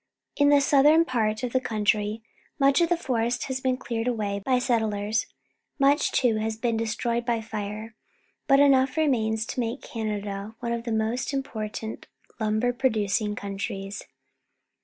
In the southern part of the country, much of the forest has l^een An Asbestos Mine, East Broughton, Quebec cleared away by settlers. Much, too, has been destroyed by fire, but enough remains to make Canada one of the most important of lumber producing countries.